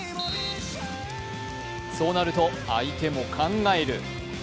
そうなると相手も考える。